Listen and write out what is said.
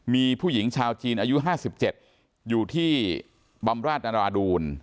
มีผู้หญิงชาวจีนอายุ๕๗อยู่ที่บำราชนาราดูล